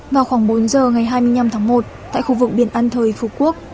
vào khoảng bốn giờ ngày hai mươi năm tháng một tại khu vực biển an thời phú quốc